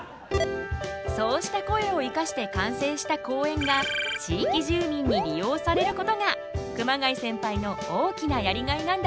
そうした声を生かして完成した公園が地域住民に利用されることが熊谷センパイの大きなやりがいなんだって。